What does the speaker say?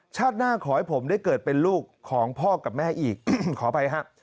หน้าขอให้ผมได้เกิดเป็นลูกของพ่อกับแม่อีกขออภัยครับ